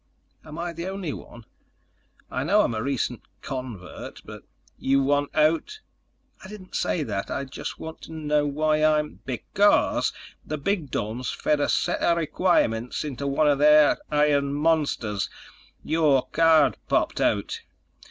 "Am I the only one? I know I'm a recent convert, but—" "You want out?" "I didn't say that. I just want to know why I'm—" "Because the bigdomes fed a set of requirements into one of their iron monsters. Your card popped out.